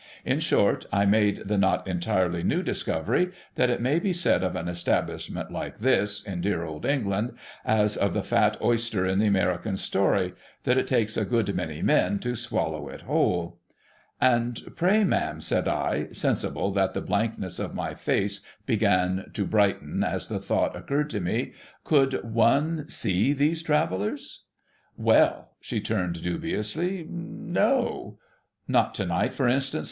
In short, I made the not entirely new discovery that it may be said of an establishment like this, in dear old England, as of the fat oyster in the American story, that it takes a good many men to swallow it whole. ' And pray, ma'am,' said I, sensible that the blankness of my face began to brighten as the thought occurred to me, ' could one see these Travellers ?'' Well !' she returned dubiously, ' no !'' Not to night, for instance !